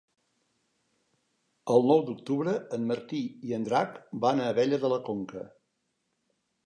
El nou d'octubre en Martí i en Drac van a Abella de la Conca.